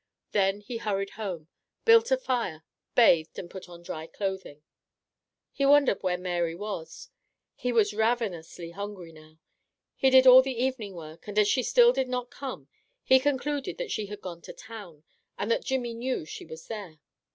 Then he hurried home, built a fire, bathed, and put on dry clothing. He wondered where Mary was. He was ravenously hungry now. He did all the evening work, and as she still did not come, he concluded that she had gone to town, and that Jimmy knew she was there.